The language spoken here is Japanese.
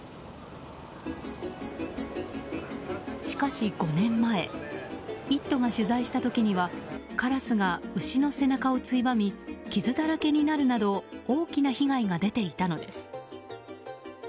しかし、５年前「イット！」が取材した時にはカラスが牛の背中をついばみ傷だらけになるなど大きな被害が出ていたのです。